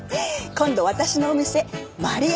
今度私のお店マリエ